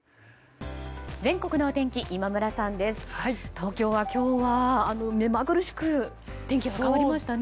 東京は今日は目まぐるしく天気が変わりましたね。